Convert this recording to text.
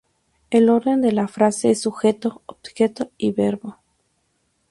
El orden de la frase es sujeto, objeto y verbo.